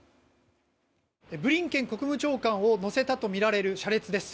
ブリンケン国務長官を乗せたとみられる車列です。